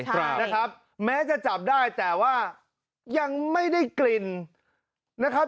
ครับนะครับแม้จะจับได้แต่ว่ายังไม่ได้กลิ่นนะครับ